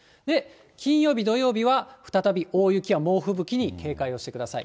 金曜日、土曜日は再び大雪や猛吹雪に警戒をしてください。